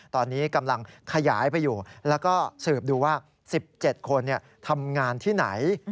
ตอนนี้กำลังขยายไปอยู่แล้วก็สืบดูว่า๑๗คนทำงานที่ไหน